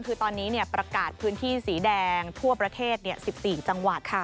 คือตอนนี้ประกาศพื้นที่สีแดงทั่วประเทศ๑๔จังหวัด